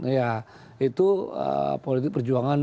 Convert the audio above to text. ya itu politik perjuangan